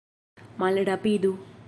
Malrapidu!